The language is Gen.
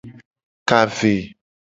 Ka ve.